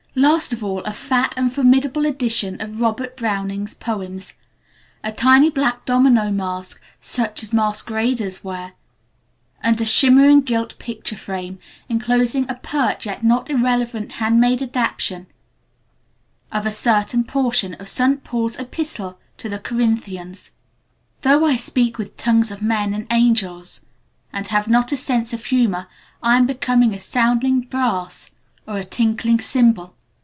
Last of all, a fat and formidable edition of Robert Browning's poems; a tiny black domino mask, such as masqueraders wear, and a shimmering gilt picture frame inclosing a pert yet not irreverent handmade adaptation of a certain portion of St. Paul's epistle to the Corinthians: "Though I speak with the tongues of men and of angels and have not a Sense of Humor, I am become as sounding brass, or a tinkling symbol.